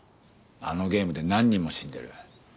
あのゲームで何人も死んでる。